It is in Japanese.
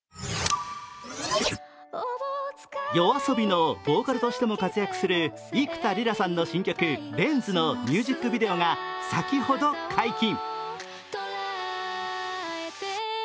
ＹＯＡＳＯＢＩのボーカルとしても活躍する幾田りらさんの新曲「レンズ」のミュージックビデオが先ほど解禁。